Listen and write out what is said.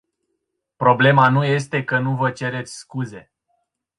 Problema nu este că nu vă cereți scuze.